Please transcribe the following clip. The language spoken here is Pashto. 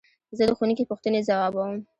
زه د ښوونکي پوښتنې ځوابوم.